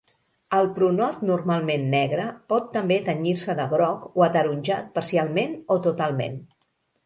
El pronot normalment negre pot també tenyir-se de groc o ataronjat parcialment o totalment.